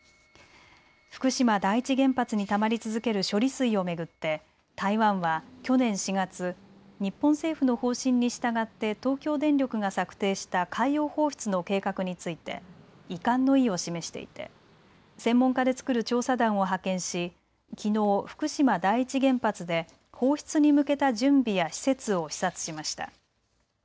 福島第一原発にたまり続ける処理水を巡って台湾は去年４月、日本政府の方針に従って東京電力が策定した海洋放出の計画について遺憾の意を示していて専門家で作る調査団を派遣しきのう、福島第一原発で放出に向けた準備や施設を視察しました。